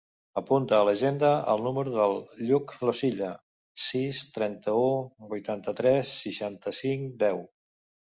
Apunta a l'agenda el número del Lluc Losilla: sis, trenta-u, vuitanta-tres, seixanta-cinc, deu.